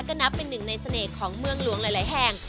ก็นับเป็นหนึ่งในเสน่ห์ของเมืองหลวงหลายแห่ง